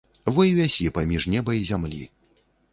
Во і вісі паміж неба і зямлі.